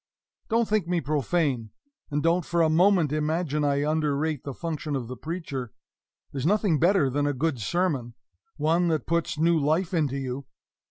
Don't think me profane, and don't for a moment imagine I underrate the function of the preacher. There's nothing better than a good sermon one that puts new life into you.